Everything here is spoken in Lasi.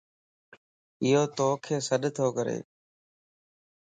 ايو توک سڏتو ڪري